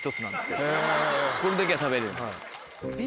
これだけは食べれる。